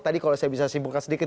tadi kalau saya bisa simpulkan sedikit